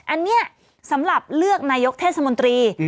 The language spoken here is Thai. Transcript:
อันนี้สำหรับเลือกนายกเทศมนตรี